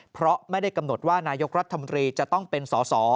เพราะไม่ได้กำหนดว่านายกรัฐมนตรีจะต้องเป็นสอสอ